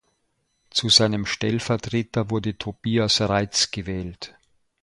Zu seinem Stellvertreter wurde Tobias Reitz gewählt.